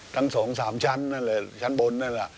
ทั้งสองสามชั้นชั้นบนนั่นแหละ